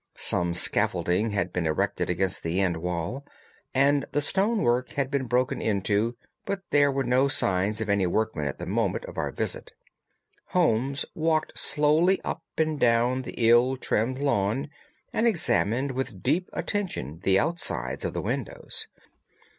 Some scaffolding had been erected against the end wall, and the stone work had been broken into, but there were no signs of any workmen at the moment of our visit. Holmes walked slowly up and down the ill trimmed lawn and examined with deep attention the outsides of the windows.